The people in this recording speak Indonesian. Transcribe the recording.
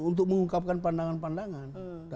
dan untuk mengungkapkan pandangan pandangan